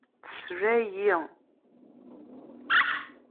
Tesla-iyi.